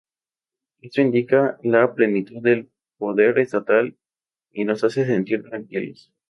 Esto indica la plenitud del poder estatal y nos hace sentir tranquilos.